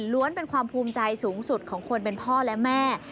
เป็นความภูมิใจสูงสุดของคนเป็นพ่อและแม่